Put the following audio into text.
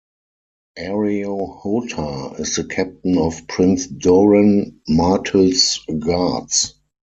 Areo Hotah is the captain of Prince Doran Martell's guards.